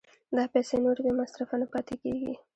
دا پیسې نورې بې مصرفه نه پاتې کېږي